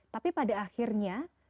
tapi pada akhirnya